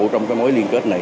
trong cái mối liên kết này